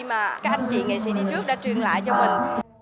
mà các anh chị nghệ sĩ đi trước đã truyền lại cho mình